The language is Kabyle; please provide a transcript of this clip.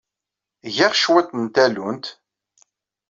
Eg-aɣ cwiṭ n tallunt.